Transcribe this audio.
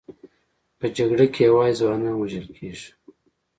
په جګړه کې یوازې ځوانان وژل کېږي